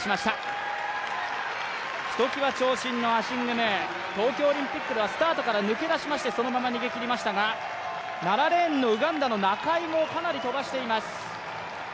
ひときわ長身のアシング・ムー、東京オリンピックではそのまま抜け出しましてそのまま逃げきりましたが、７レーンのウガンダのナカイもかなり飛ばしています。